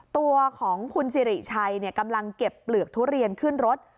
ตัวของคุณสิริชัยกำลังเก็บเปลือกทุเรียนขึ้นรถ